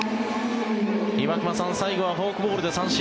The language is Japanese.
岩隈さん最後はフォークボールで三振。